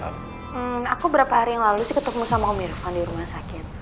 hmm aku berapa hari yang lalu sih ketemu sama om di rumah sakit